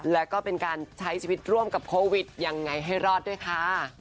แล้วก็เป็นการใช้ชีวิตร่วมกับโควิดยังไงให้รอดด้วยค่ะ